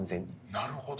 なるほど。